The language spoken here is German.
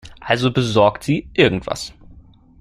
Also besorgt sie irgendwas.